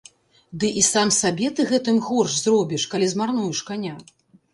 Ды і сам сабе ты гэтым горш зробіш, калі змарнуеш каня.